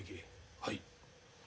はい。